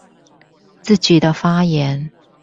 自己的發言